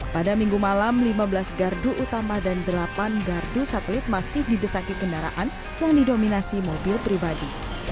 pada minggu malam lima belas gardu utama dan delapan gardu satelit masih didesaki kendaraan yang didominasi mobil pribadi